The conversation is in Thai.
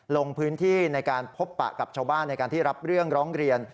ลงพื้นที่ในการพบปะกับชาวบ้านในการที่รับเรื่องร้องเรียน